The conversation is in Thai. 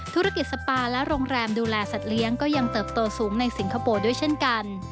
ธุรกิจสปาและโรงแรมดูแลสัตว์เลี้ยงก็ยังเติบโตสูงในสิงคโปร์ด้วยเช่นกัน